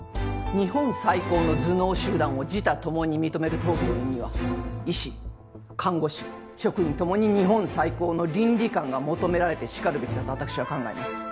日本最高の頭脳集団を自他ともに認める当病院には医師看護師職員ともに日本最高の倫理観が求められてしかるべきだと私は考えます。